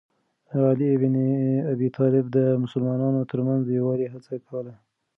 علي بن ابي طالب د مسلمانانو ترمنځ د یووالي هڅه کوله.